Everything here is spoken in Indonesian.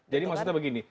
jadi maksudnya begini